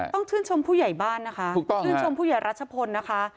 ต้องชื่นชมผู้ใหญ่บ้านนะคะชื่นชมผู้ใหญ่รัชพลนะคะ